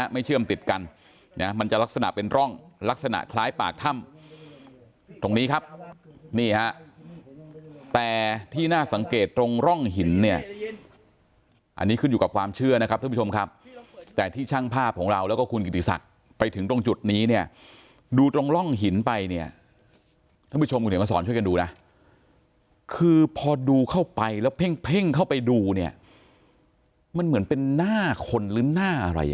มันจะลักษณะเป็นร่องลักษณะคล้ายปากถ้ำตรงนี้ครับนี่ฮะแต่ที่น่าสังเกตตรงร่องหินเนี้ยอันนี้ขึ้นอยู่กับความเชื่อนะครับทุกผู้ชมครับแต่ที่ช่างภาพของเราแล้วก็คุณกิติศักดิ์ไปถึงตรงจุดนี้เนี้ยดูตรงร่องหินไปเนี้ยท่านผู้ชมคุณเห็นมาสอนช่วยกันดูนะคือพอดูเข้าไปแล้วเพ่งเพ่งเข้าไป